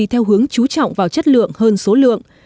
theo hướng chú trọng vào chất lượng hơn số lượng